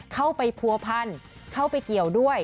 เข้าไปผัวพันเข้าไปเกี่ยวด้วย